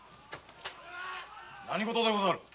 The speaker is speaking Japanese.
なに事でござる？